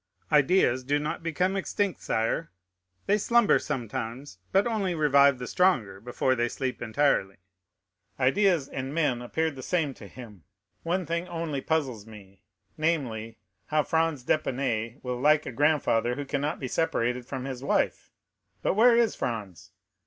Ideas do not become extinct, sire; they slumber sometimes, but only revive the stronger before they sleep entirely.'" "Ideas and men appeared the same to him," said Albert. "One thing only puzzles me, namely, how Franz d'Épinay will like a grandfather who cannot be separated from his wife. But where is Franz?"